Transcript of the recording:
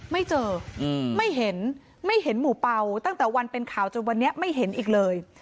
ไม่เจอไม่เห็นไม่เห็นหมู่เป่าตั้งแต่วันเป็นข่าวจนวันนี้ไม่เห็นอีกเลย